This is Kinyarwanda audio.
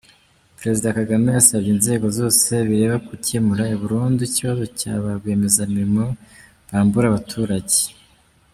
Perezida Kagame yasabye inzego zose bireba gukemura burundu ikibazo cya ba rwiyemezamirimo bambura abaturage .